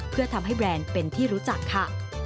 เพื่อทำให้แบรนด์เป็นที่รู้จักค่ะ